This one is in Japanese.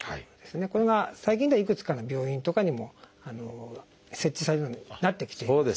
これが最近ではいくつかの病院とかにも設置されるようになってきています。